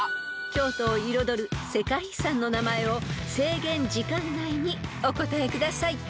［京都を彩る世界遺産の名前を制限時間内にお答えください］